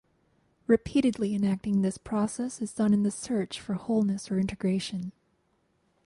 Repeatedly enacting this process is done in the search for wholeness or integration.